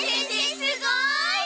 すごい！